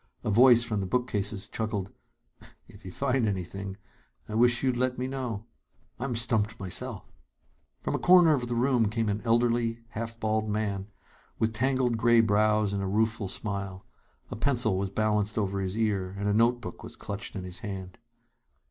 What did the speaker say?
A voice from the bookcases chuckled: "If you find anything, I wish you'd let me know. I'm stumped myself!" From a corner of the room came an elderly, half bald man with tangled gray brows and a rueful smile. A pencil was balanced over his ear, and a note book was clutched in his hand.